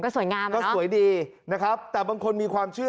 สวัสดีครับทุกคน